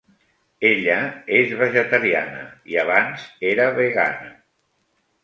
Ella és vegetariana i abans era vegana.